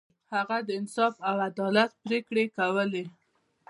هغه د انصاف او عدالت پریکړې کولې.